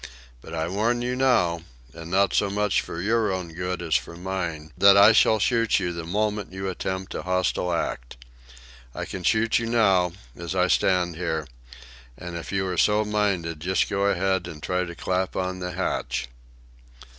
But I warn you now, and not so much for your own good as for mine, that I shall shoot you the moment you attempt a hostile act. I can shoot you now, as I stand here; and if you are so minded, just go ahead and try to clap on the hatch."